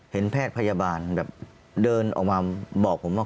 แพทย์พยาบาลแบบเดินออกมาบอกผมว่า